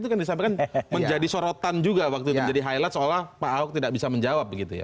itu kan disampaikan menjadi sorotan juga waktu itu menjadi highlight seolah pak ahok tidak bisa menjawab begitu ya